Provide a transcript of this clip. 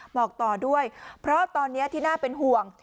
หมอกต่อด้วยเพราะตอนนี้ที่น่าเป็นห่วง